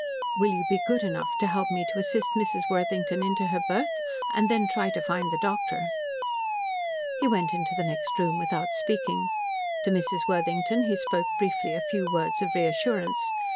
"Will you be good enough to help me to assist Mrs. Worthington into her berth, and then try to find the doctor." He went into the next room without speaking. To Mrs. Worthington he spoke briefly a few words of reassurance.